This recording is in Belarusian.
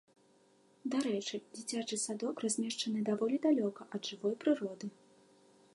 Дарэчы, дзіцячы садок размешчаны даволі далёка ад жывой прыроды.